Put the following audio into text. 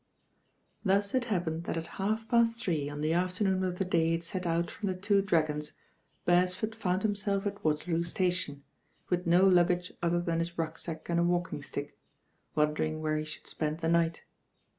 Thus it happened that at half past three on the afternoon of the day he had set out from "The Two Dragons," Beresford found himself at Waterloo Station, with no luggage other than his rucksack and a walking stick, wondering where he should spend the night.